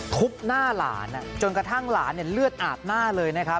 ทุบหน้าหลานจนกระทั่งหลานเลือดอาบหน้าเลยนะครับ